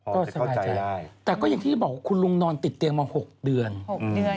ก็สบายใจแต่ก็อย่างที่บอกว่าคุณลุงนอนติดเตียงมา๖เดือน๖เดือน